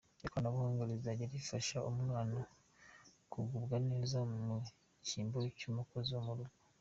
Ikoranabuhanga rizajya rifasha umwana kugubwa neza mu cyimbo cy’umukozi wo mu rugo.